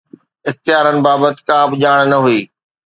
اختيارن بابت ڪا به ڄاڻ نه هئي